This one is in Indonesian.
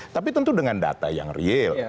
tapi tentu dengan data yang real